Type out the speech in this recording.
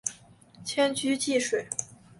迁居蕲水。